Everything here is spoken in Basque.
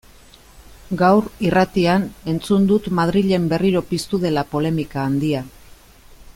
Gaur, irratian, entzun dut Madrilen berriro piztu dela polemika handia.